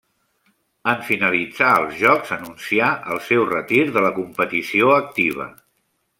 En finalitzar els Jocs anuncià el seu retir de la competició activa.